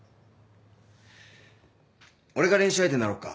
俺が練習相手になろっか。